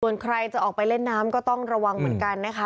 ส่วนใครจะออกไปเล่นน้ำก็ต้องระวังเหมือนกันนะคะ